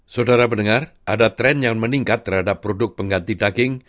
saudara pendengar ada tren yang meningkat terhadap produk pengganti daging